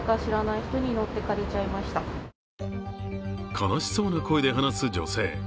悲しそうな声で話す女性。